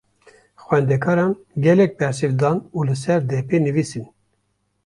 Xwendekaran gelek bersiv dan û li ser depê nivîsîn.